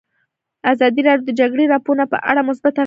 ازادي راډیو د د جګړې راپورونه په اړه مثبت اغېزې تشریح کړي.